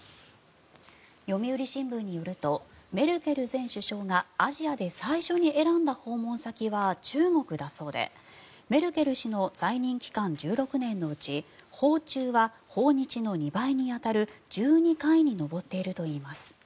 読売新聞によるとメルケル前首相がアジアで最初に選んだ訪問先は中国だそうでメルケル氏の在任期間１６年のうち訪中は訪日の２倍に当たる１２回に上っているといいます。